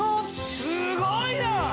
すごいなあ！